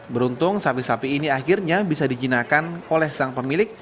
beruntung sapi sapi ini akhirnya bisa dijinakan oleh sang pemilik